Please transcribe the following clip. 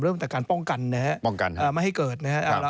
เริ่มตั้งแต่การป้องกันนะครับมาให้เกิดนะครับ